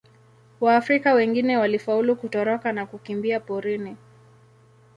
Waafrika wengine walifaulu kutoroka na kukimbia porini.